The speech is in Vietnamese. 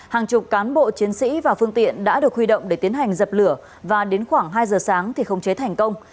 hàng chục cán bộ chiến sĩ và phương tiện đã được huy động để tiến hành dập lửa và đến khoảng hai giờ sáng thì không chế thành công